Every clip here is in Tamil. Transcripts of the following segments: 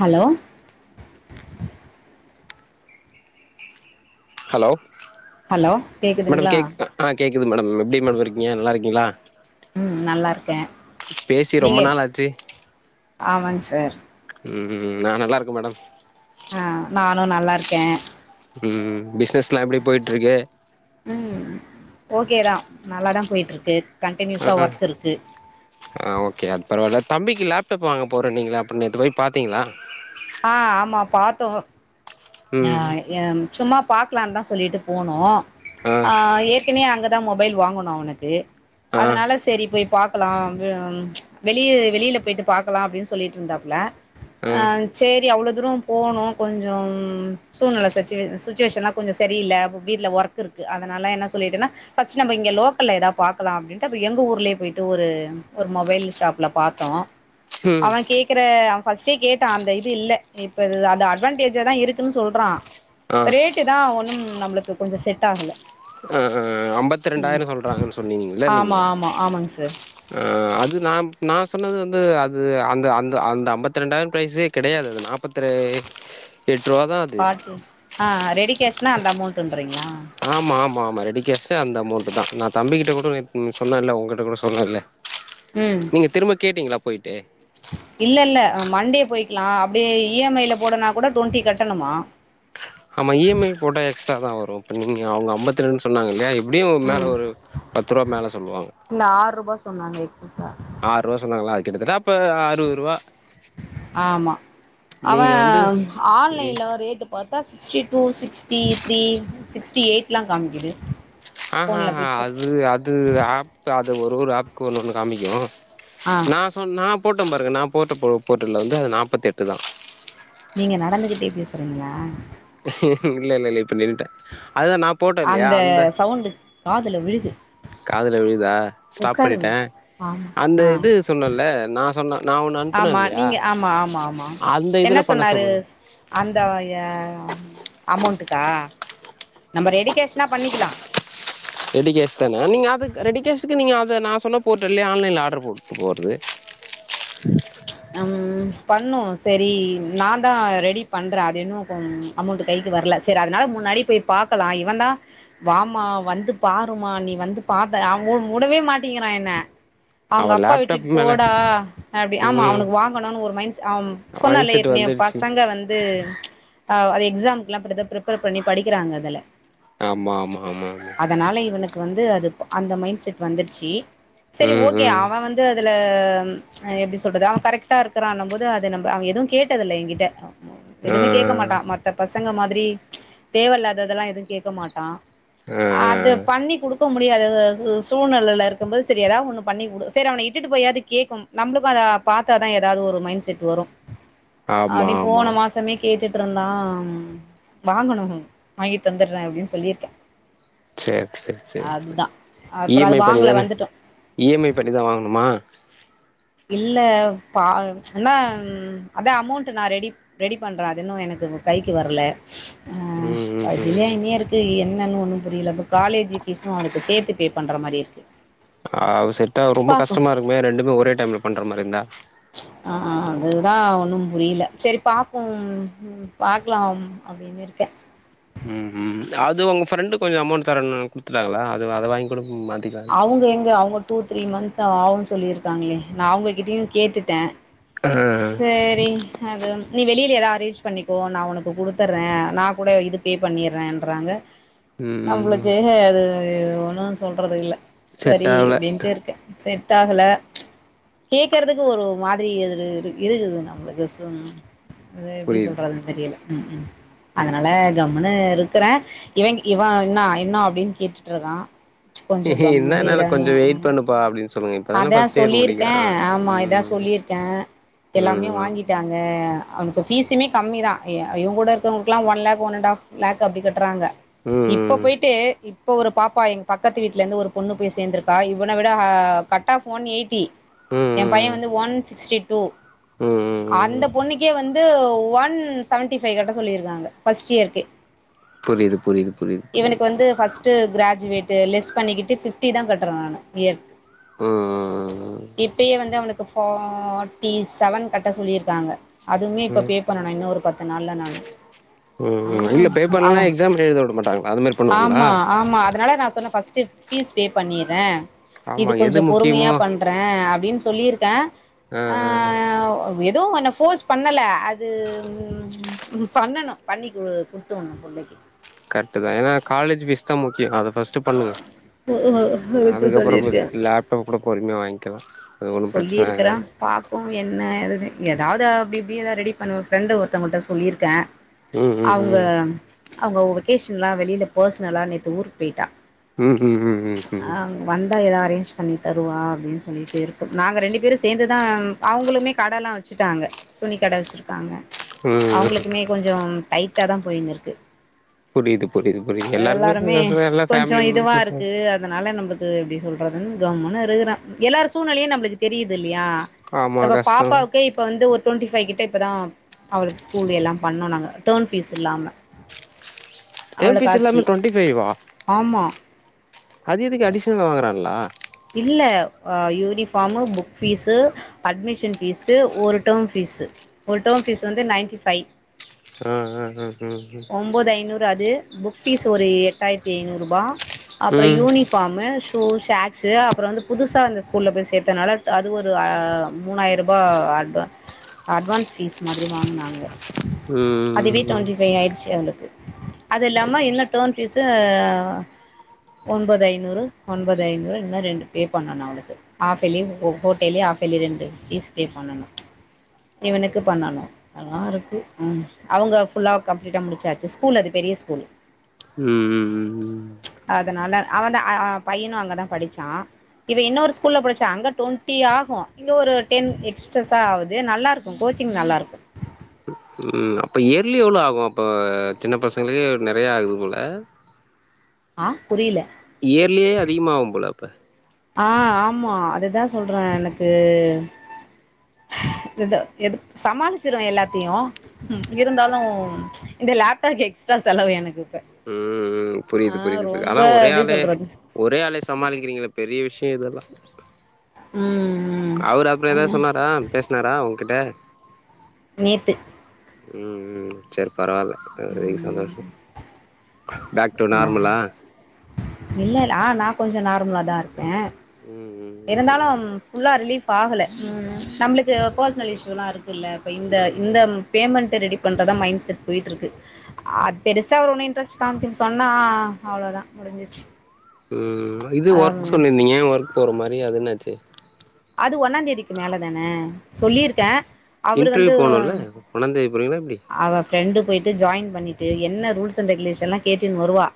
ஹலோ ஹலோ ஹலோ மேடம் கேக்குதுங்களா கேக் ஆ கேக்குது மேடம். எப்டி மேம் இருக்ங்க நல்லாருக்கீங்ளா. ம் நல்லார்க்கெ பேசி ரொம்ப நாள் ஆச்சு ஆம்மாங் சார் ம் நா நல்லாருக்க மேடம் அ நானு நல்லார்க்கெ ம் பிஸ்னஸ்லா எப்டி பொயிட்ருக்கு ம் ஓக்கேதா நல்லாதா போய்ட்டுருக்கு கண்டின்யூஸா ஒர்க் இருக்கு ஓக்கே அத் பரவால்ல தம்பிக்கு லேப்டப் வாங்க போறேநீங்களே அப்ப நேத்து போய் பாத்தீங்ளா அ ஆம்மா பாத்தோ அ ம் எம் சும்மா பாக்கலான் தா சொல்லிட்டு போனோ ஆ ஏற்கென அங்க த மொபைல் வாங்குணு அவ்னுக்கு ஆ அதனால செரி போய் பாக்கலா வெ வெளிய வெளியில பெயிட்டு பாக்கலா அப்டின் சொல்லிட்ருந்தாப் ல ஆ அ சேரி அவ்ளோ தூரொ போனு கொஞ்சொம் ம் சூழ்நிலை சுச்சுவேஷன்லா கொஞ்சொ செரியில்லை வீட்ல ஒர்க் இருக்கு அதனால என்ன சொல்லிட்டேன்னா ஃபர்ஸ்ட் நம்ப இங்க லோக்கல்ல எதா பாக்கலா அப்டின்டு அப்பி எங்க ஊர்லே பொய்ட்டு ஒரு மொபைல் ஷாப்லா பாத் த்த ம் அவன் கேக்குற அவன் ஃபர்ஸ்ட்டே கேட்டா அந்த இது இல்ல இப்ப அது அட்வான்டேஜ்ல தா இருக்கு இருக்குனு சொல்றா ஆ ரேட்டு தா ஒன்னு நம்மளுக்கு கொஞ்சோ செட் ஆகல அ அ அம்பத்தி ம் ரெண்டாயிரோ சொல்றாங்கன்னு சொன்னீங்கல்ல நீங்க ஆமா ஆமா ஆமாங்க சார் ஆ அது நா நா சொன்னது வந்து அது அந்த அந்த அந்த அம்பத்தி ரெண்டாயிரம் ப்ரைஸ்சே கெடையாது அது நாற்பத்திற் எட்டு ரூவா தா அது பார்ட்டி ஆ ரெடி கேஷ்னா அந்த அமௌண்ட்னுறீங்ளா ஆமா ஆமா ஆமா ரெடிக்கேஷ்னா அந்த அமௌண்ட் தா நா தம்பிக்கிட்ட கூட நேத்து சொன்னேலே உங்கிட்ட கூட சொன்னே இல ம் நீங்க திரும்ப கேட்டீங்களா போய்ட்டு இல்ல இல்ல மண்டே போய்க்கலா அப்டியே இ எம் ஐ ல போடனா கூட டுவெண்ட்டி கட்டணுமா ஆமா இ எம் ஐ போட்டா எக்ஸ்ட்ரா தா வரு இப்ப நீங்க அவுங்க அம்பத்தி ரெண்டு சொன்னாங்க இல்லியா அப்டியு மேலே ம் ஒரு பத்து ரூவா மேலே சொல்லுவாங்க இல்ல ஆறு ரூபா சொன்னாங்க எக்சஸ்சா ஆறு ரூவா சொன்னாங்களா கிட்டத்திட்ட அப்ப அறுவது ரூவா ஆமா வந்து அவன் ம் ஆன்லைன்ல ரேட்டு பாத் பாத்தா sixty two sixty three sixty எயிட்லா காமிக்குது அ அ ஃபோன்ல போய் செக் அது அது ஆப் அது ஒரு ஒரு ஆப்க்கு ஒன்னு ஒன்னு காமிக்கு ஆ நா சொ நா போட்டே பாருங்க நா போட்ட போர்ட்ல்ல வந்து அது நாப்பத்தி எட்டு தா நீங்க நடந்துகிட்டே பேசுறீங்ளா இல்ல இல்ல இப்ப நின்ட்டே அதுதா நாப் அந்த சவுண்டு காதுல விழுது காதுல விழுதா ஸ்டாப் உக்காருங்க பண்ணிட்டே ஆமா அந்த ஆ இது சொன்னல்ல நா சொன்ன நா ஒன்னு அனுப்புனே ஆமா இல்லியா நீங்க ஆமா ஆமா ஆமா அந்த என்ன இதுல பண்ண சொன்னாரு சொன்னங்க அந்த அ அமௌண்டுக்கா நம்ம ரெடிகேஷ்னா பண்ணிக்கிலா ரெடிகேஷ் தானே நீங்க அதுக்கு ரெடி கேஷுக்கு நீங்க அத நா சொன்ன போர்ட்டல்லயே ஆன்லைன்ல் ஆர்டரு போட்டு போறது ம் ம் பண்ணுவோ சரி நா தா ரெடி பண்றே அது இன்னு கொஞ் அமௌண்ட் கைக்கு வரல சரி அதுனால முன்னாடியே போய் பாக்கலா இவன் தா வாமா வந்து பாருமா நீ வந்து பாத்த அவங்க விடவே மாட்டங்கிறா என்ன அவ அவங்க அப்பா லேப்டாப் விட்டுட்டு மேல போடா அப்டி ஆமா ம் அவனுக்கு வாங்கணுனு ஒரு மைண்ட மைண்ட் சொன்னல செட் ஏற்கனவே வந்துடுச்சு பசங் க வந்து அ எக்ஸாம்க்கு எல்லா இப்டி தா பிரிப்பேர் பண்ணி படிக்கிறாங்க அதுல ஆமா ஆமா ஆமா ஆமா அதனால இவனுக்கு வந்து அது அந்த மைண்ட் செட் வந்துருச்சு சரி ம் ஓகே ம் அவன் வந்து அதுல் எப்டி சொல்றது அவன் கரெக்டா இருக்கான்ற போது அது அவன் எதுவு கேட்டதில்ல என்கிட்ட ஆ எதுவுமே கேட்க மாட்டா மத்த பசங்க மாதிரி தேவ இல்லாததெல்லா எதுவு கேட்க மாட்டா ஆ ஆ அது பண்ணி குடுக்க முடியாது சூழ்நிலில இருக்கும்போது சரி ஏதாவு ஒன்னு பண்ணி கொடு சரி அவன இட்டுட்டு போயாவுது கேக்கு நம்மளுக்கு அத பாத்தாதா எதாவுது ஒரு மைண்ட் செட் வரு ஆமா அப்டினு ஆமா போன மாசோ மே கேட்டுட்டு இருந்தா வாங்கணு வாங்கி தந்துற அப்டின்னு சொல்லியிருக்கே சேர் சேர் சேர் சேர் இ அப்புறோ எம் அது ஐ வாங்கல பண்ணிதானே வந்துட்டோ இ எம் ஐ பண்ணிதா வாங்கணுமா இல்ல பா என்ன அதா அமௌண்ட் நா ரெடி ரெடி பண்ற அது இன்னு எனக்கு கைக்கு வரல்ல ம் ம் ஆ ம் ஜலிங்கியா இருக்கு என்னன்னு ஒண்ணு புரியல ப்போ காலேஜ் பீஸ்ஸும் அவனுக்கு சேத்து பே பண்ற மாரி இருக்கு ஆ சொட்டாவ ரொம்ப பாக்கு கஷ்டமா இருக்குமே ரெண்டுமே ஒரே டைம்ல பண்ற மாரி இருந்தா ஆ அதுதா ஒன்னும் புரியல சரி பாப்போ பாக்கலா அப்படின்னு இருக்கே ம் ம் அது உங்க ஃப்ரெண்டு கொஞ்ச அமௌண்ட் தரன்னாங்க குடுத்துட்டாங்களா அது அத வாங்கி கூட மாத்திக்க அவங்க எங்க அவங்க டூ த்ரீ மந்த்ஸ் ஆகுன்னு சொல்லிருக்காங்களே நா அவங்ககிட்டயும் கேட்டுட்டே ஆ சேரி அது நீ வெளியில ஏதாவது அரேஞ்ச் பண்ணிக்கோ நா ஒனக்கு குடுத்துறே நா கூட இது பே பண்ணிர்றேன்றாங்க ம் ம் ம் நம்மளுக்கு அது ஒண்ணும் சொல்றதுக் இல்ல செட் சரி ஆகல அப்டின்ட்டு இருக்கே செட் ஆகல கேக்குறதுக்கு ஒரு மாதிரி எது இரு இருக்குது நம்மளுக்கு சும் அது எப்டி புரியுது சொல்றதுன்னு தெரியல ம் ம் ம் அதனால கம்முன்னு இருக்கறே இவ இவன் இன்னும் என்ன அப்டின்னு கேட்டுட்டு இருக்கா கொஞ்சோ கம்மு என்னன்னா இரே கொஞ்சோ வெயிட் பண்ணுப்பா அப்டின்னு சொல்லுங்க இப்பதான அதா ஃபர்ஸ்ட் இயர் சொல்லிருக்கே முடிக்கிறா ஆமா இதா ம் சொல்லிருக்கே எல்லாமே ம் வாங்கி ட்டாங்க அவனுக்கு ஃபீஸுமே கம்மி தா இவ இவங்கூட இருக்கிறவங்களுக்குலா one lakh one and half lakh அப்டி கட்றாங்க ம் இப்ப ம் போயிட்டு இப்ப ஒரு பாப்பா எங்க பக்கத்து வீட்டுல இருந்து ஒரு பொண்ணு போய் சேந்திருக்கா இவன விட ஆ கட் ஆஃப் ஒன் எயிட்டி ம் ம் ம் ஏ ம் பையே வந்து ஒன் சிக்ஸ்டி டூ ம் ம் ம் அந்த ம் பொண்ணுக்கே வந்து ஒன் செவன்டிஃபைவ் கட்ட சொல்லியிருக்காங்க ஃபர்ஸ்ட் இயர்கு புரியுது புரிது புரிது புரிது புரிது து கிராஜவேட் லெஸ் பண்ணிக்கிட்டு பிப்டி தா கட்டுறே நானு இயர்க்கு ம் இப்பயே வந்து அவனுக்கு ஃபாட்டி செவன் கட்ட சொல்லிருக்காங்க அதுவுமே ம் இப்ப ம் பே பண்ணனு இன்னும் ஒரு பத்து நாள்ல நானு ம் இல்ல பே ம் ஆ பண்ணலனா எக்ஸாம் எழுத விட மாட்டாங்களா அது மாரி பண்ணுவாங்களா ஆமா ஆமா அதனால நா சொன்னே ஃபஸ் ட்டு ஃபீஸ் பே பண்ணிர்றே ஆமா இது கொஞ்ச எது பொறுமையா முக்கியமோ பண் ண்றே அப்டின்னு சொல்லிருக்கே ஆ ஏதோ ஒன்ன போர்ஸ் பண்ணல அது பண்ணணு பண்ணி கு குடுத்தடணு புள்ளைக்கு கரட்டு தா ஏனா காலேஜ் ஃபீஸ் தா முக்கியோ அத ஃபர்ஸ்ட்டு பண்ணுங்க அதுக்கு அதுக்கப்றோ சொல்லியிருக்கே லேப்டாப் கூட பொறுமையா வாங்கிக்கலா அது ஒன்னும் பிரச்சன ஆகாது பாப்போ என்னது ஏதாவது அப்டி இப்டி ஏதாவ ரெடி பண்ணுவோ ஃப்ரெண்டு ஒருத்தவங்கிட்ட சொல்லிருக்கே ம் அவங்க அவங்க வெகேஷனல்லா வெளியில பெர்சனலா நேத்து ஊருக்கு போயிட்டா ம் ம் ம் ம் ஆ ம் வந்தா ஏதா அரேஞ்ச் பண்ணி தருவா அப்டின்னு சொல்லிட்டு இருக்கும் நாங்க ரெண்டு பேரும் சேந்துதா அவங்களுக்குமே கடல்லா வச்ச சுட்டாங்க துணி கட வச்சிருக்காங்க ம் ம் ம் அவங்களுக்குமே கொஞ்சோ டைட்டா தா போயினுருக்கு புரியுது புரியுது புரியுது எல்லாருக்குமே க எல்லாருமே கஷ் எல்லா கொஞ்சோ ஃபேமிலி இதுவா இருக்கு அதனால நமக்கு எப்டி சொல்றதுன் கம்முனு இருக்குறே எல்லாரு சூழ்நிலையு நம்மளுக்கு தெரியுதுல்லையா ஆமா இப்ப கஷ்டோ பாப்பாவுக்கே இப்ப வந்து ஒரு ட்வெண்ட்டி ஃபைவ் கிட்ட இப்போதா அவளுக்கு ஸ்கூல் எல்லா பண்ணோ நாங்க டர்ம் ஃபீஸ் இல்லாம டேர்ம் அவளுக்கு ஃபிஸ்ல்லாம ஆச்சு டொவன்ட்டி பைவ்வா ஆமா அது எதுக்கு அடிஷனலா வாங்கறாங்லா இல்ல ஆ uniform book fees admission fees ஒரு டர்ம் ஃபீஸ் ஒரு டர்ம் ஃபீஸ் வந்து நைன்டி பைவ் அ அ அ உம் உம் ஒம்போது ஐநூறு அது புக் வீஸ் ஒரு எட்டாயிரத்தி ஐநூறு ரூபா அப்றோ ம் யூனி ஃபாமு சூ சாக் ஸ்சு அப்றோ வந்து புதுசா அந்த ஸ்கூல்ல போய் சேத்தனால அது ஒரு மூணாயிர ரூபா அட்வா அட்வான்ஸ் வீஸ் மாதிரி வாங்குனாங்க அதுவே ட்வெண்டி ஃபைவ் ஆயிடுச்சு அவளுக்கு அது இல்லாம என்ன டேம் வீஸ்சு ஒன்பது ஐநூறு ஒன்பது ஐநூறு ரெண்டு பே பண்ணனும் அவளுக்கு ஆஃப்வேலி கோட்டலி ஆஃப்வேலி ரெண்டு வீஸ் பே பண்ணனும் இவனுக்கு பண்ணணும் எல்லா இருக்கு ம் அவங்க ஃபுல்லா கம்ப்ளீட்டா முடிச்சாச்சு ஸ்கூல் அது பெரிய ஸ்கூல் உம் அதனால அவன் தா பையனும் அங்கதா படிச்சா இவ யுன்னொரு ஸ்கூல்ல படிச்சா அங்க டுவெண்ட்டி ஆகும் இங்க ஒரு டென் எக்சஸ்சா ஆவுது நல்லா இருக் கும் கோச்சிங் நல்லா இருக்கும் உம் ம் அப்ப இயர்லி எவ்ளோ ஆகும் அப்ப சின்ன பசங்களுக்கே நெறைய ஆகுது போல ஆ புரியல இயர்லியே அதிகமாவு போல அப்ப ஆ ஆமா அதுதா சொல்றே எனக்கு எதா எது சமாளிச்சிருவே எல்லாத்தையு ம் இருந்தாலு இந்த லேப்டாப் எக்ஸ்ட்ரா செலவு எனக்கு ம் ஆ புரியுது புரியுது புரியுது ரொம்ப ஆனா ஒரே எப்டி ஆளே சொல்றது ஒரே ஆளே சமாளிக்கிறீங்களே பெரிய விஷயம் இதெல்லா உம் உம் அவரு அப்றோ ஏதாவது சொன்னாரா பேசுனாரா உங்கிட்ட நேத்து உம் உம் சேர் பரவால்ல அதுவரைக்கும் ம் சந்தோஷம் பேக் டூ நார்மலா இல்ல இல்ல ஆ நா கொஞ்சோ நார்மலா தா இருக்கே உம் உம் இருந்தாலு ஃபுல்லா ரிலீஃப் ஆகல உம் உம் நம்மளுக்கு பர்சனல் இஷ்யூல்லா இருக்குல்ல இப்ப இந்த இந்த பேமெண்ட்ட ரெடி பண்றதா மைண்ட் செட் போயிட்டு இருக்கு அ பெருசா அவரு ஒண்ணும் இன்ட்ரெஸ்ட் காமிக்கல சொன்னா ஆ ஆ அவ்ளோதா முடிஞ்சிச்சு ம் இது ஆமா ஒர்க் சொல்லிருந்தீங்க ஒர்க் போற மாறி அது என்னாச்சு அது ஒன்னாந் தேதிக்கு மேலதானே சொல்லியிருக்கே அவரு வந்து இன்டர்வியூ போணுல்ல ஒன்னாந்தேதி போறீங்களா எப்டி அவ ஃப்ரெண்ட்டு போய்ட்டு ஜாயின் பண்ணிட்டு என்ன ரூல்ஸ் அண்ட் ரெகுலேஷன்லா கேட்டுன்னு வருவா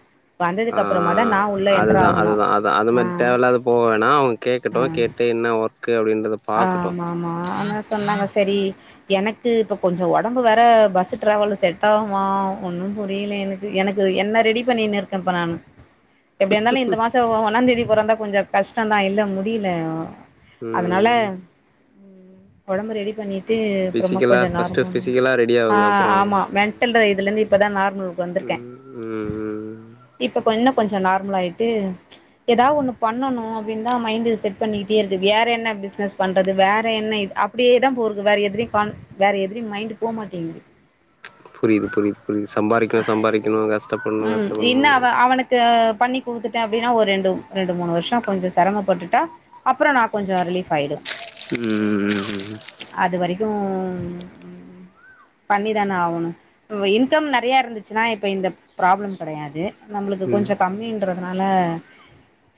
ஆ வந்ததுக்கு அப்புறமா தா நா உள்ள என்டர் அதுதா ஆகணு அதுதா அது அந்த ஆ மாறி தேவ இல்லாம போ வேணா அவங்க ஆ கேக்கட்டும் கேட்டு என்ன ஒர்க்கு அப்டின்றத பாக்கட்டு ஆமா ஆமா ஆனா சொன்னாங்க சரி எனக்கு இப்ப கொஞ்சோ ஒடம்பு வேற பஸ் டிராவல் செட் ஆவுமா ஒன்னும் புரியல எனக் எனக்கு என்ன ரெடி பண்ணின்னு இருக்கே இப்ப நானு எப்டி இருந்தாலு இந்த மாசோ ஒன்னாந்தேதி பொறந்தா கொஞ்சோ கஷ்டந்தா இல்ல முடியல ம் நல்ல ம் கொழம்பு ரெடி பண்ணி ஃபிசிக்கலா ஃபஸ்ட்டு ஃபிசிக்கலா ரெடி ஆ ஆவுங்க அப்றோ ஆமா மென்டல்ன்ற இதுல இருந்து இப்பதா நார்மல்க் வந்திர்க்கே ம் ம் ம் இப்ப கொஞ்சுனா கொஞ்சோ நார்ம்ல் ஆய்ட்டு எதா ஒன்னு பண்ணணு அப்டின் தா மைண்டு செட் பண்ணிட்டே இருக்கு வேற என்ன பிஸ்னஸ் பண்றது வேற என்ன இது அப்டியேதா போறுது வேற எதிலியு கான் வேற எதிலியு மைண்டு போ மாட்டேங்குது புரிது புரிது புரிது சம்பாரிக்கணு சம்பாரிக்கணு கஷ்டப்பட்ணு கஷ்டப்பண்ணு ட்ட பண்ணி குடுத்துட்டே அப்டினா ஒரு ரெண்டு ரெண்டு மூணு வர்ஷோ கொஞ்சோ செரமப்பட்டுட்டா அப்புறோ நா கொஞ்சோ ரிலீஃப் ஆய்டுவ ம் அதுவரைக்கு பண்ணிதான ஆவணு இப்போ இன்கம் ந றையா இருந்துச்சுனா இப்ப இந்த ப்ராப்ளம் கெடையாது நம்ளுக்கு ம் ம் கொஞ்சோ கம்மின்றதுனால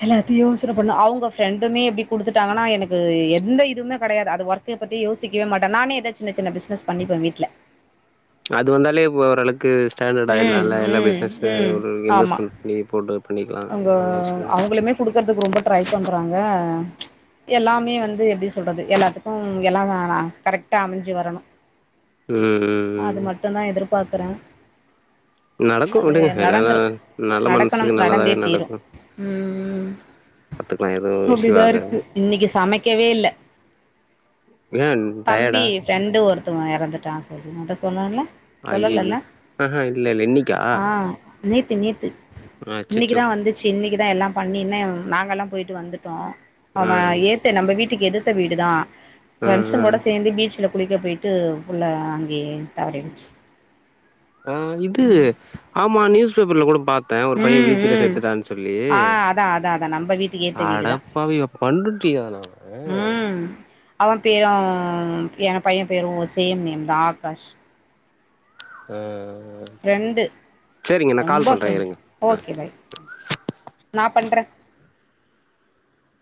எல்லாத்யு யோசன பண்ணோ அவ்ங்க ஃபிரெண்டுமே எப்டி குடுத்துட்டாங்கனா எனக்கு எந்த இதுமே கெடையாது அது ஒர்க் க பத்தி யோசிக்கவே மாட்ட நானே எதாச் சின்ன சின்ன பிஸ்னஸ் பண்ணிப்ப வீட்ல அது வந்தாலே ஓரளக்கு ஸ்டாண்டர்ட் ம் ஆய்ட்லால்ல எல்லா ம் பிஸ்னஸு ம் ஒரு ஆமா இன்வெஸ்ட்மெண்ட் பண்ணி போட்டு பண்ணிக்லா நல்ல விஷ்யோ குடுக்கறதுக் ரொம்ப ட்ரை பண்றாங்க எல்லாமே வந்து எப்டி சொல்றது எல்லாத்துக்கு எல்லாமே ஆனா கரெக்ட்டா அமஞ்சு வரணு ம் ம் அது ம் மட்டுந்தா எதிர்பாக்குற நடக்கு அது விடுங்க எல்லா நடந்துரு நல்ல நடக்கணும் மனசுக்கு நடந்தே நல்லதாவே தீரு நடக்கு ம் ம் பாத்துக்கலா எதுவு இஷ்யூ அப்டிதா இருக்கு ஆகாது இன்னிக்கி சமைக்கவே இல்ல ஏன் டயர்டா ஃபிரெண்டு ஒருத்தவ்ங்க எறந்துட்டான் சொல்லி உன்ட்ட சொன்னல ஐயையோ சொல்லலல ஆஹா இல்ல இல்ல இன்னைக்கா ஆ நேத்து நேத்து புறோ ஆச்சு கிதா வந்துச்சு இன்னிக்கிதா எல்லா பண்ணினு நாங்கலா போய்ட்டு வந்துட்டோ ஆ அவன் எர் த்து நம்ம வீட்டுக் எதிர்த்த வீடுதா ஆ ஆ ஃபிரெண்ஸ்ங்குலோட சேந்து பீச்ல குளிக்க போய்ட்டு புள்ள அங்கேயே தவறிடுச்சு ஆ இது ஆமா நியூஸ் பேப்பர்ல கூட பாத் அதா ஒரு பையன் ம் பீச்சில ம் செத்துட்டான் சொல்லி ஆ அதா அதா அதா நம்ம வீட்டுக்கு ஏத்த வீடு தா அடப்பாவியோ பண்ருட்டியாலா அவன் அவன் பேரு என் பையன் பேரு சேம் நேம்தா ஆகாஷ் அ ஃபிரெண்டு ரொம்ப ஃபிரெண்டு இருங்க ஆ ஓகே பாய் நா பண்ற